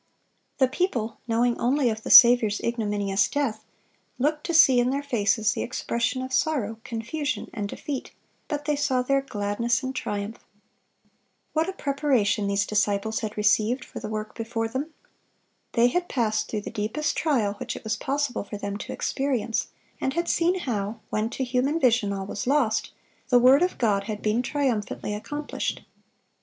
The people, knowing only of the Saviour's ignominious death, looked to see in their faces the expression of sorrow, confusion, and defeat; but they saw there gladness and triumph. What a preparation these disciples had received for the work before them! They had passed through the deepest trial which it was possible for them to experience, and had seen how, when to human vision all was lost, the word of God had been triumphantly accomplished.